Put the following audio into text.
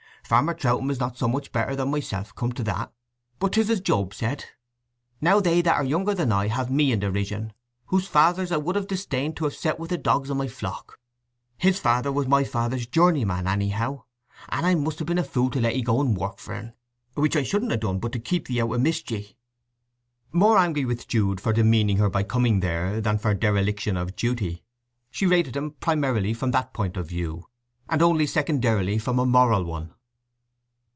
Farmer Troutham is not so much better than myself, come to that. But 'tis as Job said, 'Now they that are younger than I have me in derision, whose fathers I would have disdained to have set with the dogs of my flock.' His father was my father's journeyman, anyhow, and I must have been a fool to let 'ee go to work for 'n, which I shouldn't ha' done but to keep 'ee out of mischty." More angry with Jude for demeaning her by coming there than for dereliction of duty, she rated him primarily from that point of view, and only secondarily from a moral one.